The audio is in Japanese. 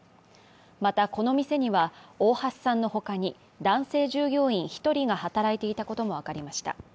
また、この店には、大橋さんのほかに男性従業員１人が働いていたことも分かりました。